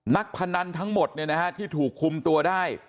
นักพนันทั้งหมดเนี่ยนะฮะที่ถูกคุมตัวได้